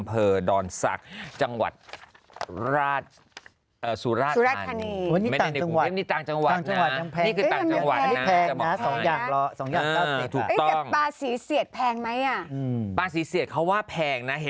ปลาสีเสียดเขาว่าแพงนะ